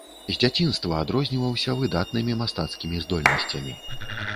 З дзяцінства адрозніваўся выдатнымі мастацкімі здольнасцямі.